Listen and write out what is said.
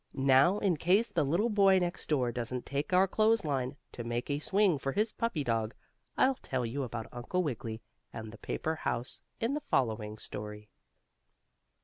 Now, in case the little boy next door doesn't take our clothes line, to make a swing for his puppy dog, I'll tell you about Uncle Wiggily and the paper house in the following story.